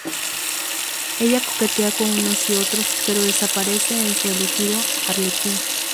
Ella coquetea con unos y otros, pero desaparece con su elegido, Arlequín.